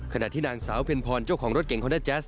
ขณะที่นางสาวเพ็ญพรเจ้าของรถเก่งคอนด้าแจ๊ส